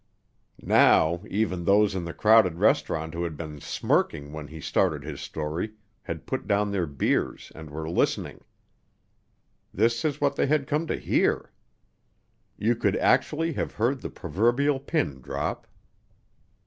Now, even those in the crowded restaurant who had been smirking when he started his story had put down their beers and were listening. This is what they had come to hear. You could actually have heard the proverbial pin drop.